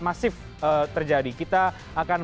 masif terjadi kita akan